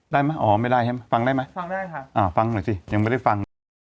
ได้มั้ยอ๋อไม่ได้ฟังได้มั้ยฟังได้ค่ะอ่าฟังหน่อยสิยังไม่ได้ฟัง